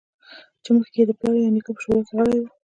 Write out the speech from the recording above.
چې مخکې یې پلار یا نیکه په شورا کې غړی و